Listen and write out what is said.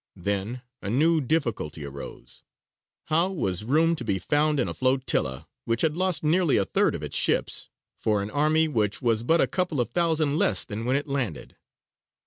Then a new difficulty arose: how was room to be found in a flotilla, which had lost nearly a third of its ships, for an army which was but a couple of thousand less than when it landed?